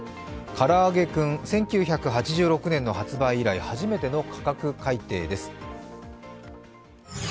からあげクン１９８６年の発売し以来、初めての価格改定です。